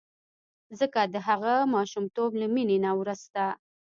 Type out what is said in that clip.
ځکه د هغه ماشومتوب له مینې نه وروسته.